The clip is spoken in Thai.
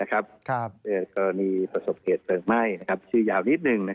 ก็มีประสบเกษตรเบิ่งไหม้ชื่อยาวนิดหนึ่ง